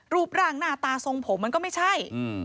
รูปร่างหน้าตาทรงผมมันก็ไม่ใช่